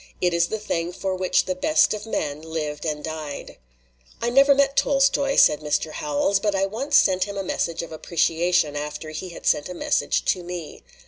It is the thing for which the Best of Men lived and died. "I never met Tolstoy," said Mr. Ho wells. ' 'But I once sent him a message of appreciation after he had sent a message to me.